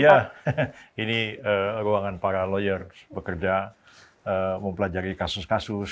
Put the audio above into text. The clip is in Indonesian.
ya ini ruangan para lawyer bekerja mempelajari kasus kasus